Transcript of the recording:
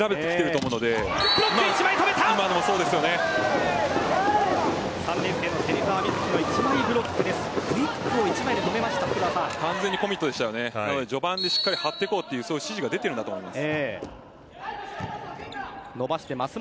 なので序盤でしっかり張っていこうという指示が出ているんだと思います。